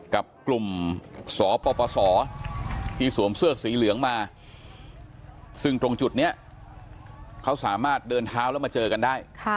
กับกลุ่มสปสที่สวมเสื้อสีเหลืองมาซึ่งตรงจุดนี้เขาสามารถเดินเท้าแล้วมาเจอกันได้